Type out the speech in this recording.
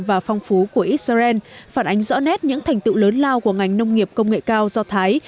và phong phú của israel phản ánh rõ nét những thành tựu lớn lao của ngành nông nghiệp công nghệ cao do thái